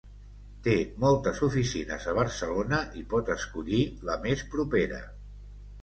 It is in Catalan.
Té moltes oficines a Barcelona i pot escollir la més propera.